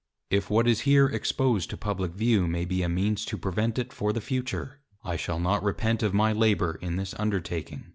If what is here exposed to publick view, may be a means to prevent it for the future, I shall not repent of my Labour in this Undertaking.